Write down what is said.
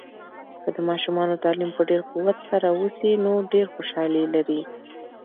که د ماشومانو تعلیم په ډیر قوت سره وسي، نو ډیر خوشحالي لري.